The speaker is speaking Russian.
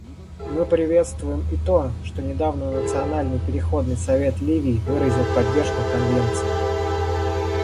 Мы приветствуем и то, что недавно Национальный переходный совет Ливии выразил поддержку Конвенции.